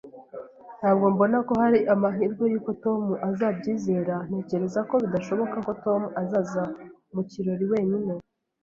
Ntabwo mbona ko hari amahirwe yuko Tom azabyizera Ntekereza ko bidashoboka ko Tom azaza mu kirori wenyine